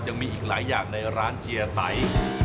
ยังมีอีกหลายอย่างในร้านเจียไต